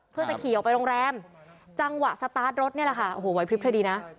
เพื่อจะขี่ออกไปโรงแรมจังหวะสตาร์ทรถเนี่ยแหละค่ะ